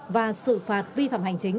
và sự phạt vi phạm hành chính